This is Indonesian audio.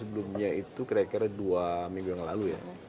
sebelumnya itu kira kira dua minggu yang lalu ya